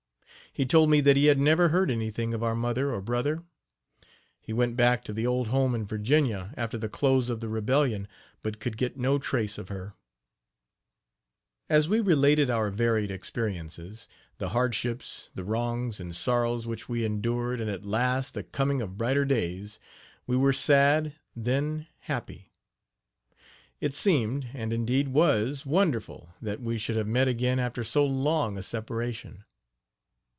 He told me that he had never heard anything of our mother or brother. He went back to the old home in Virginia, after the close of the rebellion, but could get no trace of her. As we related our varied experiences the hardships, the wrongs and sorrows which we endured and at last the coming of brighter days, we were sad, then happy. It seemed, and indeed was, wonderful that we should have met again after so long a separation.